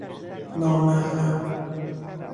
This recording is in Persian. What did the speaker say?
نامحرم